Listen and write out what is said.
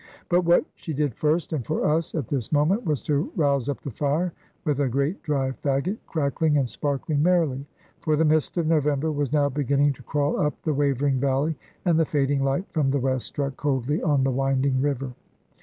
But what she did first, and for us, at this moment, was to rouse up the fire with a great dry fagot, crackling and sparkling merrily. For the mist of November was now beginning to crawl up the wavering valley, and the fading light from the west struck coldly on the winding river.